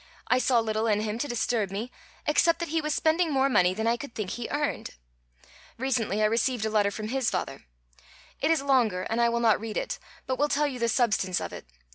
I saw little in him to disturb me, except that he was spending more money than I could think he earned. Recently I received a letter from his father. It is longer, and I will not read it, but will tell you the substance of it.